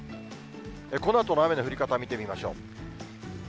このあとの雨の降り方見てみましょう。